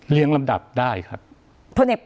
เรียงลำดับได้ครับ